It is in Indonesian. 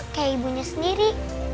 kayak ibunya sendiri